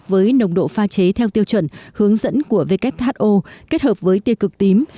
với nồng độ pha chế theo tiêu chuẩn hướng dẫn của who kết hợp với tiêu cực tím